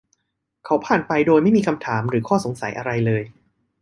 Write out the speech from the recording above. เขาผ่านไปโดยไม่มีคำถามหรืออข้อสงสัยอะไรเลย